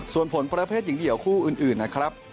ส่วนผลประเภทหญิงเดี่ยวคู่อื่นนะครับ